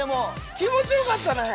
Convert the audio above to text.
◆気持ちよかったね。